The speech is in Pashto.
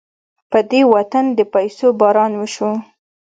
په دې وطن د پيسو باران وشو.